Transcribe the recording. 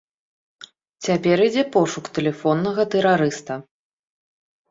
Цяпер ідзе пошук тэлефоннага тэрарыста.